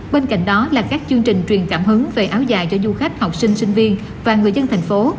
bên cạnh đó là các chương trình truyền cảm hứng về áo dài cho du khách học sinh sinh viên và người dân thành phố